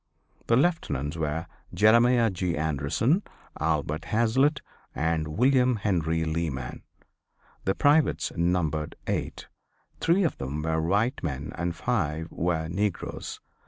The Lieutenants were Jeremiah G. Anderson, Albert Hazlitt and William Henry Leeman. The privates numbered eight. Three of them were white men and five were negroes.